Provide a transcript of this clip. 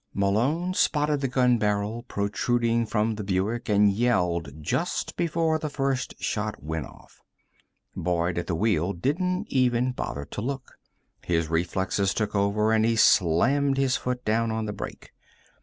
Malone spotted the gun barrel protruding from the Buick and yelled just before the first shot went off. Boyd, at the wheel, didn't even bother to look. His reflexes took over and he slammed his foot down on the brake.